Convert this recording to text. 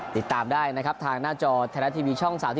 ติดตามได้นะครับทางหน้าจอไทยรัฐทีวีช่อง๓๒